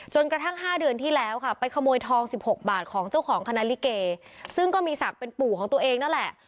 กระทั่ง๕เดือนที่แล้วค่ะไปขโมยทอง๑๖บาทของเจ้าของคณะลิเกซึ่งก็มีศักดิ์เป็นปู่ของตัวเองนั่นแหละ